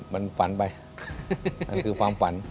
มันฝันไปมันคือความฝัน